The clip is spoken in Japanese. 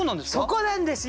そこなんですよ。